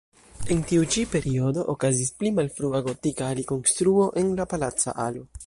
En tiu ĉi periodo okazis pli malfrua gotika alikonstruo en la palaca alo.